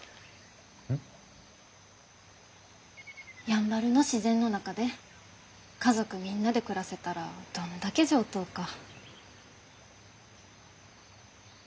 やんばるの自然の中で家族みんなで暮らせたらどんだけ上等か。